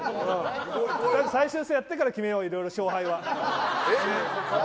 最終戦やってから決めよういろいろ勝敗は。